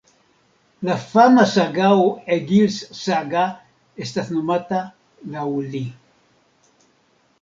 La fama sagao Egils-Saga estas nomata laŭ li.